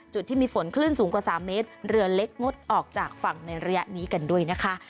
จุดที่มีฝนคลื่นสูงกว่า๓เมตรเรือเล็กงดออกจากฝั่งในระยะนี้กันด้วยนะคะ